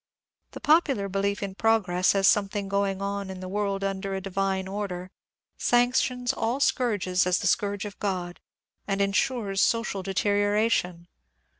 The popular belief in ^^ progress," as something going on in the world under a divine order, sanctions all sooui^ges as the scourges of God, and insures social deterioration.